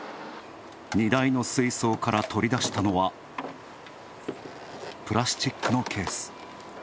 荷台の水槽から取り出したのは、プラスチックのケース。